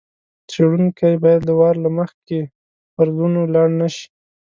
څېړونکی باید له وار له مخکې فرضونو لاړ نه شي.